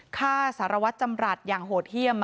ฆ่าสารวัตรจำรัฐอย่างโหดเยี่ยม